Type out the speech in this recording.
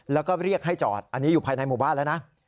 แล้วก็เรียกให้จอดอันนี้อยู่ภายในหมู่บ้านแล้วนะ